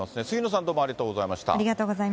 杉野さん、どうもありがとうございました。